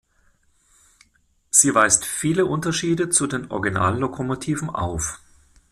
Sie weist viele Unterschiede zu den Original-Lokomotiven auf.